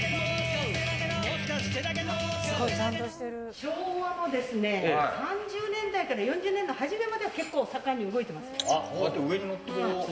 昭和の３０年代から４０年の初めまで結構盛んに動いてましたよ。